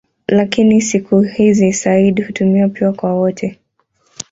Lakini siku hizi "sayyid" hutumiwa pia kwa wote.